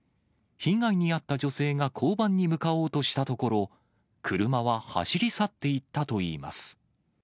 被害に遭った女性が交番に向かおうとしたところ、車は走り去っていったといいます。